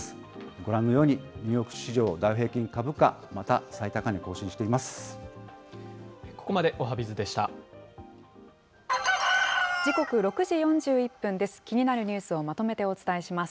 ご覧のように、ニューヨーク市場ダウ平均株価、また最高値更新しています。